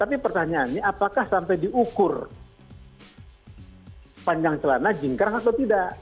tapi pertanyaannya apakah sampai diukur panjang celana jingkrang atau tidak